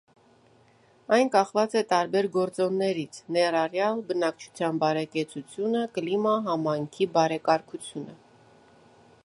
Այն կախված է տարբեր գործոններից, ներառյալ բնակչության բարեկեցությունը, կլիմա, համայնքի բարեկարգությունը։